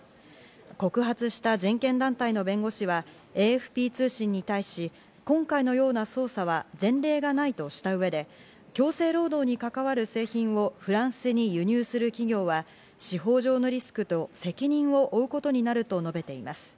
告発した人権団体の弁護士はＡＦＰ通信に対し、今回のような捜査は前例がないとした上で、強制労働に関わる製品をフランスに輸入する企業は司法上のリスクと責任を負うことになると述べています。